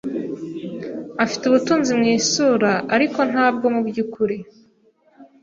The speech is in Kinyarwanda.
Afite ubutunzi mu isura ariko ntabwo mubyukuri.